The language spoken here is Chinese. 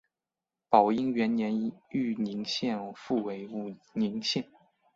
宝应元年豫宁县复为武宁县。